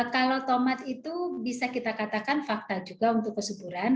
kalau tomat itu bisa kita katakan fakta juga untuk kesuburan